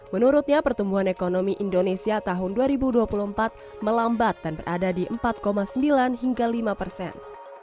menurutnya pertumbuhan ekonomi indonesia tahun dua ribu dua puluh empat melambat dan berada di empat sembilan hingga lima persen